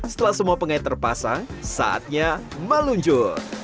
setelah semua pengait terpasang saatnya meluncur